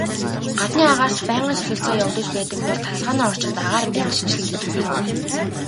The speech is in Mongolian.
Гаднын агаарт байнгын солилцоо явагдаж байдаг бол тасалгааны орчинд агаар байнга шинэчлэгддэггүй.